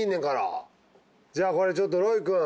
じゃあこれちょっとロイ君。